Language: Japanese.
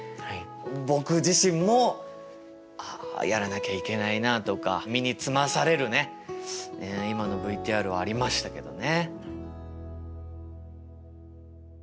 僕自身も「あやらなきゃいけないな」とか身につまされるね今のＶＴＲはありましたけどね。